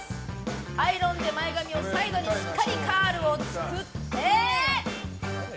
アイロンで前髪とサイドにしっかりカールを作って。